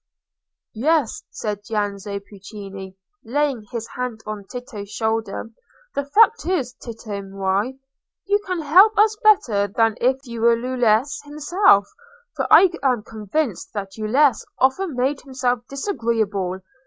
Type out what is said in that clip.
"Yes," said Giannozzo Pucci, laying his hand on Tito's shoulder, "the fact is, Tito mio, you can help us better than if you were Ulysses himself, for I am convinced that Ulysses often made himself disagreeable.